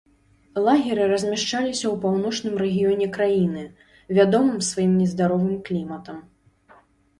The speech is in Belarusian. Лагеры размяшчаліся ў паўночным рэгіёне краіны, вядомым сваім нездаровым кліматам.